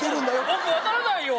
僕分からないよ